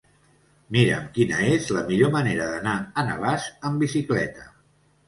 Mira'm quina és la millor manera d'anar a Navàs amb bicicleta.